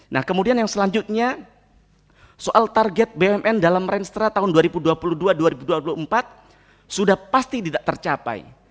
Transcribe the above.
nah kemudian yang selanjutnya soal target bumn dalam renstra tahun dua ribu dua puluh dua dua ribu dua puluh empat sudah pasti tidak tercapai